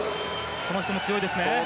この人も強いですね。